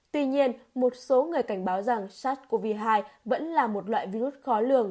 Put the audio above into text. tuy nhiên một số người cảnh báo rằng sars cov hai vẫn là một loại virus khó lường